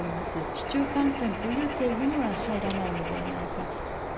市中感染という定義には入らないのではないか。